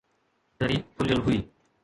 دري کليل هئي